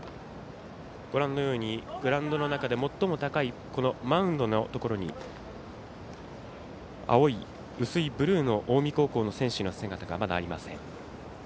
グラウンドの中で最も高いマウンドのところに青い薄いブルーの近江高校の選手の姿がありません。